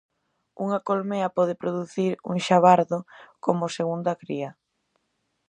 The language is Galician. Unha colmea pode producir un xabardo como segunda cría.